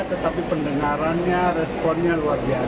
tetapi pendengarannya responnya luar biasa